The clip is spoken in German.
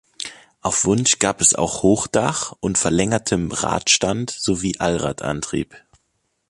Auf Wunsch gab es auch Hochdach und verlängertem Radstand sowie Allradantrieb.